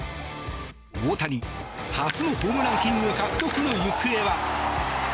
大谷、初のホームランキング獲得の行方は？